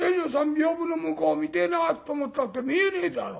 屏風の向こう見てえなと思ったって見えねえだろ。